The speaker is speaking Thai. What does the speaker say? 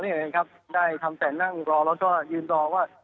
ถึงได้ทำแต่นั่งรอแล้วก็ยืนรอว่า